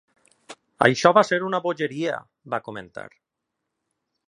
"Això va ser una bogeria", va comentar.